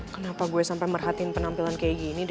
kenapa gue sampai merhatiin penampilan kayak gini